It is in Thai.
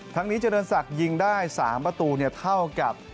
นี้เจริญศักดิ์ยิงได้๓ประตูเท่ากับ